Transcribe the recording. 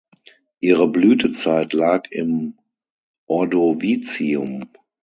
Ihre Blütezeit lag im Ordovizium.